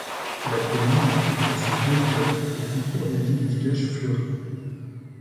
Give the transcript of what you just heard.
La commune a été classée deux fleurs au concours des villes et villages fleuris.